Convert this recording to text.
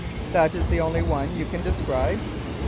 That is the only one you can describe?